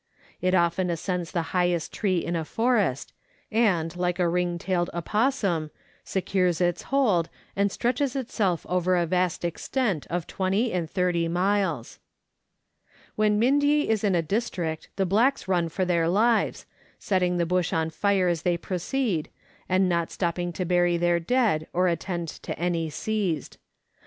It often ascends the highest tree in a forest, and, like a ring tailed opossum, secures its hold, and stretches itself over a vast extent of 20 and 30 miles. When Mindye is in a district the blacks run for their lives, setting the bush on fire as they proceed, and not stopping to bury their dead or attend to any seized.